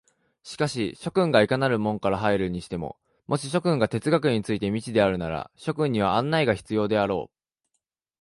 しかし諸君がいかなる門から入るにしても、もし諸君が哲学について未知であるなら、諸君には案内が必要であろう。